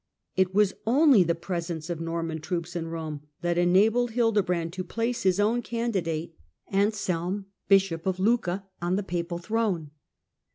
It was only the presence of Norman troops in Rome that enabled Hilde brand to place his own candidate, Anselm, Bishop of Lucca, on the papal throne.